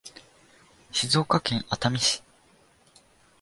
静岡県熱海市